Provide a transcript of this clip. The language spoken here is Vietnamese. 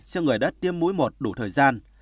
cho người đã tiêm mũi một đủ thời gian